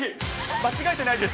間違えてないです。